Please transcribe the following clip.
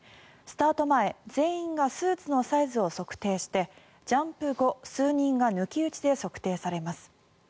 スタート前全員がスーツのサイズを測定してジャンプ後数人が抜き打ちで測定されます。